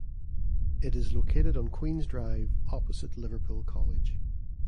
It is located on Queens Drive opposite Liverpool College.